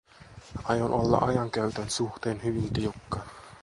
Aion olla ajankäytön suhteen hyvin tiukka.